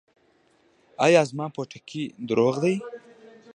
ایا زما پوټکی روغ دی؟